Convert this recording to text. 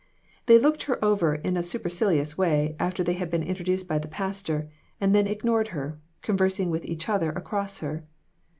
They looked her over in a supercilious way after they had been introduced by the pastor, and then ignored her, conversing with each other across her.